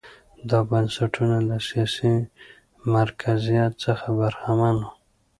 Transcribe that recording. دا بنسټونه له سیاسي مرکزیت څخه برخمن وو.